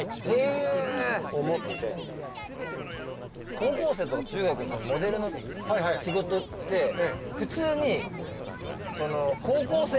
高校生とか中学モデルの仕事って普通に。